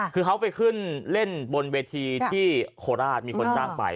คือเขาไปขึ้นเล่นบนเวทีที่โคราชมีคนจ้างไป